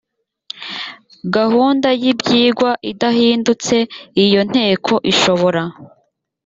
gahunda y ibyigwa idahindutse iyo nteko ishobora